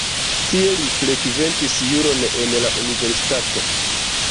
Tie li frekventis juron en la universitato.